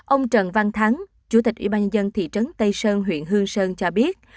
ông trần văn thắng chủ tịch ủy ban nhân dân thị trấn tây sơn huyện hương sơn cho biết